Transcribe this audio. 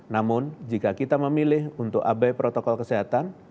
namun jika kita memilih untuk abai protokol kesehatan